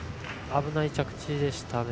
危ない着地でしたね。